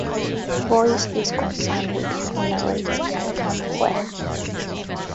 Voice is concerned with who narrates, and from where.